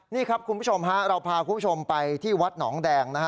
นี่ครับคุณผู้ชมฮะเราพาคุณผู้ชมไปที่วัดหนองแดงนะฮะ